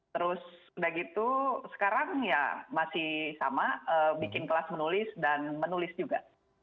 terus udah gitu sekarang ya masih sama bikin kelas menulis dan menulis juga